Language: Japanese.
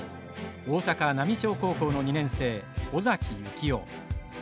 大阪浪商高校の２年生尾崎行雄。